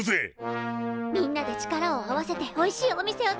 みんなで力を合わせておいしいお店を作る。